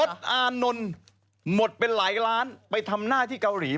พศานไม้มดไปหลายล้านไปทำหน้าที่เกาหลีมา